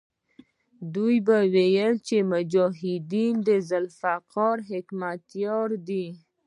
دوی به ویل چې مجاهدونو د ذوالفقار حکمتیار دی.